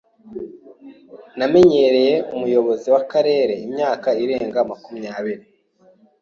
Namenyereye umuyobozi w'akarere imyaka irenga makumyabiri.